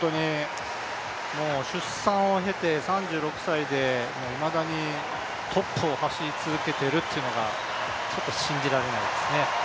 出産を経て３６歳でいまだにトップを走り続けているというのがちょっと信じられないですね。